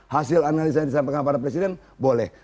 hasil analisa yang disampaikan pada presiden boleh